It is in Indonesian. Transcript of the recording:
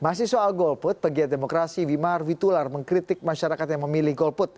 masih soal golput pegiat demokrasi wimar witular mengkritik masyarakat yang memilih golput